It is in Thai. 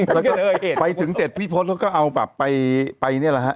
แล้วก็เลยไปถึงเสร็จพี่พศเขาก็เอาแบบไปนี่แหละฮะ